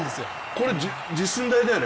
これ、実寸大だよね。